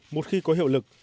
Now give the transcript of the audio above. một khi có hiệu lực